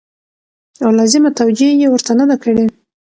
او لازمه توجع يې ورته نه ده کړې